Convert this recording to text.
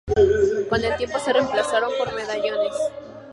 Con el tiempo, se reemplazaron por medallones.